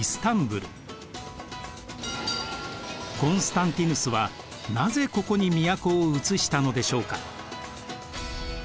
コンスタンティヌスはなぜここに都を移したのでしょうか？